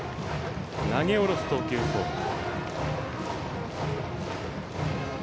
投げ下ろす投球フォーム。